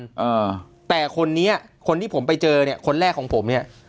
อ่าแต่คนนี้คนที่ผมไปเจอเนี้ยคนแรกของผมเนี้ย